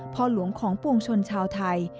พ่อหลวงของปวงชนชาวไทย